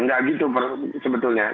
enggak gitu sebetulnya